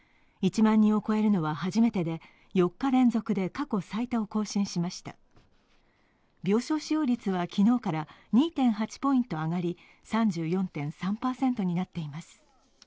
１万人を超えるのは初めてで、４日連続で過去最多を更新しました病床使用率は昨日から２．８ポイント上がり３４．３％になっています。